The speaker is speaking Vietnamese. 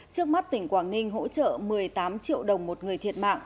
trước mắt tỉnh quảng ninh hỗ trợ một mươi tám triệu đồng một người thiệt mạng